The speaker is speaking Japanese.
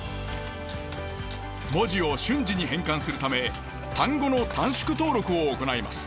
文字を瞬時に変換するため単語の短縮登録を行います。